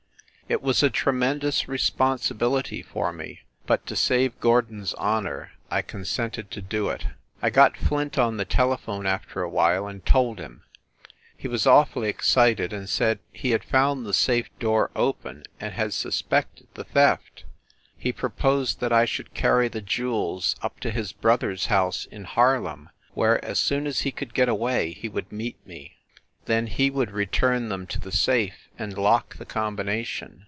... It was a tremendous responsibility for me, but, to save Gordon s honor, I consented to do it. I got Flint on the telephone, after a while, and told him. He was awfully excited, and said he had found the safe door open, and had suspected the theft. He proposed that I should carry the jewels up to his brother s house in Harlem, where, as soon as he could get away, he would meet me. Then he would return them to the safe and lock the combina tion.